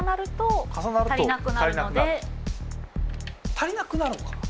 足りなくなるのか。